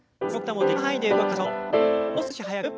もう少し速く。